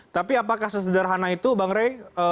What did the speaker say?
tapi apakah sesederhana itu bang rey